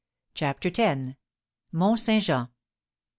CHAPTER X. MONT SAINT JEAN.